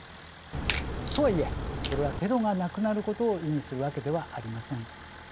とはいえ、それはテロが無くなることを意味するわけではありません。